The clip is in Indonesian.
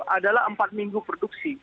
adalah empat minggu produksi